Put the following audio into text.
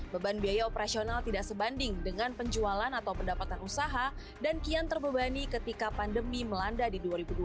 beban biaya operasional tidak sebanding dengan penjualan atau pendapatan usaha dan kian terbebani ketika pandemi melanda di dua ribu dua puluh